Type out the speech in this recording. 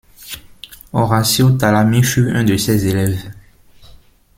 Orazio Talami fut un de ses élèves.